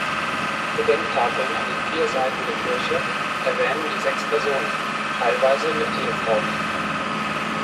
Gedenktafeln an den vier Seiten der Kirche erwähnen die sechs Personen; teilweise mit Ehefrauen.